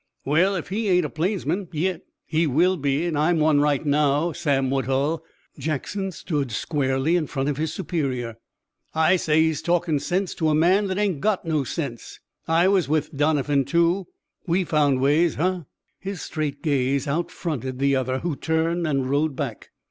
"Well, if he ain't a plainsman yit he will be, and I'm one right now, Sam Woodhull." Jackson stood squarely in front of his superior. "I say he's talkin' sense to a man that ain't got no sense. I was with Doniphan too. We found ways, huh?" His straight gaze outfronted the other, who turned and rode back.